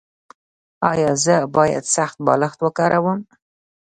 ایا زه باید سخت بالښت وکاروم؟